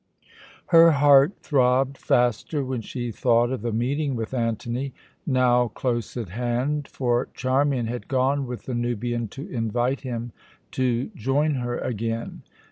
Her heart throbbed faster when she thought of the meeting with Antony, now close at hand; for Charmian had gone with the Nubian to invite him to join her again.